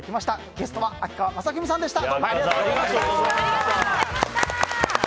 ゲストは秋川雅史さんでした。